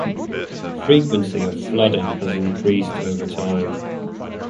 Frequency of flooding has increased over time.